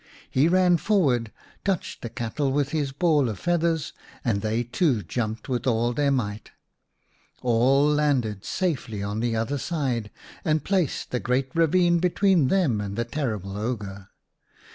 He ran forward, touched the cattle with his ball of feathers, and they too jumped with all their might. All landed safely on the other side, and placed the great ravine between them and the terrible ogre.